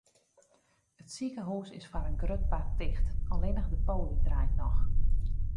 It sikehûs is foar in grut part ticht, allinnich de poly draait noch.